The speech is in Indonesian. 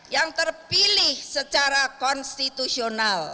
yang terpilih secara konstitusional